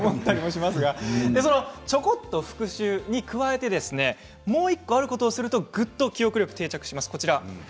その、ちょこっと復習に加えてもう１個、あることをするとぐっと記憶力が定着します。